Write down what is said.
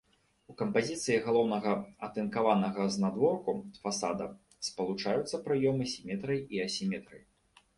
У кампазіцыі галоўнага атынкаванага знадворку фасада спалучаюцца прыёмы сіметрыі і асіметрыі.